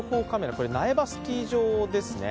これ苗場スキー場ですね。